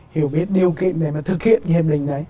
hiểu biết điều kiện để mà thực hiện cái hiệp định ấy